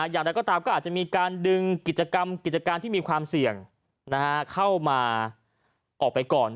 อย่างไรก็ตามก็อาจจะมีการดึงกิจกรรมกิจการที่มีความเสี่ยงเข้ามาออกไปก่อน